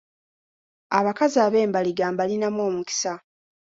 Abakazi ab’embaliga mbalinamu omukisa.